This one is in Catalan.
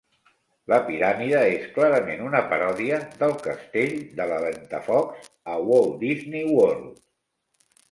La piràmide és clarament una paròdia del castell de la Ventafocs a Walt Disney World.